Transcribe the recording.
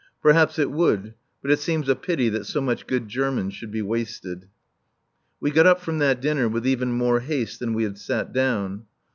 Perhaps it would, but it seems a pity that so much good German should be wasted. We got up from that dinner with even more haste than we had sat down.